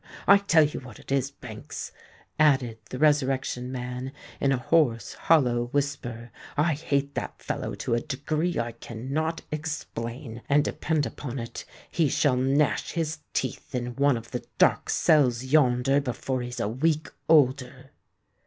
I tell you what it is, Banks," added the Resurrection Man, in a hoarse—hollow whisper, "I hate that fellow to a degree I cannot explain; and depend upon it, he shall gnash his teeth in one of the dark cells yonder before he's a week older."